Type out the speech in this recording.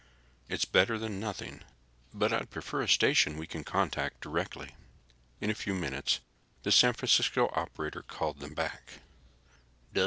It's better than nothing, but I'd prefer a station we can contact directly." In a few minutes, the San Francisco operator called them back.